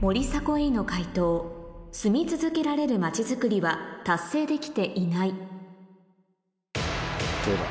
森迫永依の解答「住み続けられるまちづくり」は達成できていないどうだ？